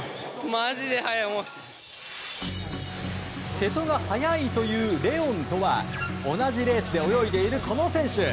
瀬戸が速いと言うレオンとは同じレースで泳いでいるこの選手。